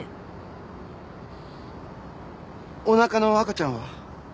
おなかの赤ちゃんは？